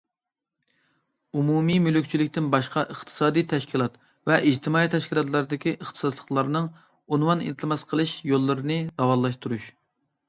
ئومۇمىي مۈلۈكچىلىكتىن باشقا ئىقتىسادىي تەشكىلات ۋە ئىجتىمائىي تەشكىلاتلاردىكى ئىختىساسلىقلارنىڭ ئۇنۋان ئىلتىماس قىلىش يوللىرىنى راۋانلاشتۇرۇش.